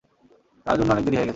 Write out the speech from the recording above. তার জন্য অনেক দেরি হয়ে গেছে।